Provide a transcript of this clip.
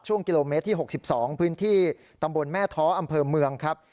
ช่วงกิโลเมตรที่๖๒พื้นที่ตำบลแม่ท้ออำเภอเมืองครับ